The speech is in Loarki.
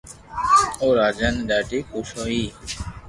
او راجا تي ڌاڌي خوݾ ھتي